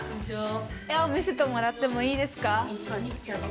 絵を見せてもらってもいいですか？